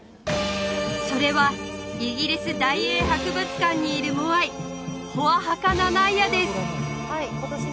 それはイギリス大英博物館にいるモアイホアハカナナイアです